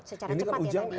secara cepat ya tadi